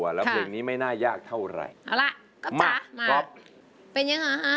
เพิ่งเล่นให้สุดจากเพลงนี้ไม่หน้ายากเท่าไหร่